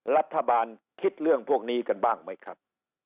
รัฐบาลคิดเรื่องพวกนี้กันบ้างไหมครับ